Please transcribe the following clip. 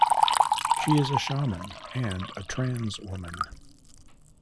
She is a shaman and a trans woman.